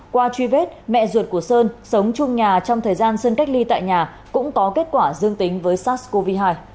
qua truy vết mẹ ruột của sơn sống chung nhà trong thời gian sơn cách ly tại nhà cũng có kết quả dương tính với sars cov hai